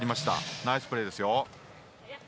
ナイスプレーですよ。